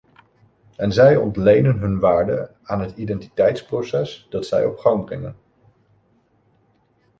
En zij ontlenen hun waarde aan het identiteitsproces dat zij op gang brengen.